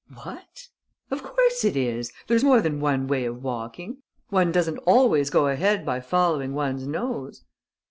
"What?" "Of course it is. There's more than one way of walking. One doesn't always go ahead by following one's nose."